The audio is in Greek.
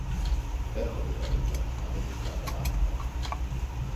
Έρχονται τα παιδιά, μα δεν τους κάνω μάθημα.